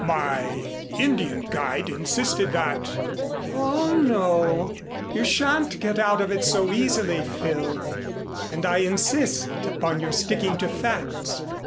My Indian guide insisted that " "Oh, no, you sha'n't get out of it so easily, Phil, and I insist upon your sticking to facts.